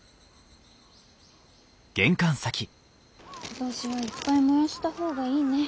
今年はいっぱい燃やした方がいいね。